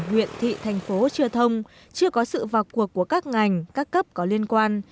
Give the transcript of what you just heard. huyện thị thành phố chưa thông chưa có sự vào cuộc của các ngành các cấp có liên quan